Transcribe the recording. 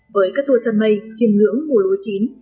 với các tour sân mây chiêm ngưỡng mùa lúa chín